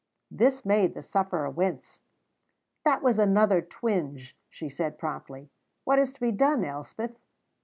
This made the sufferer wince. "That was another twinge," she said promptly. "What is to be done, Elspeth?"